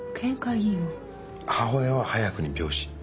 母親は早くに病死。